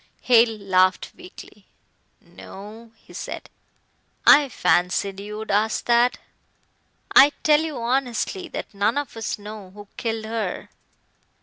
Hale laughed weakly. "No!" he said. "I fancied you would ask that. I tell you honestly that none of us know who killed her."